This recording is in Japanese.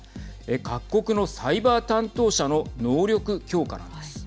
各国のサイバー担当者の能力強化なんです。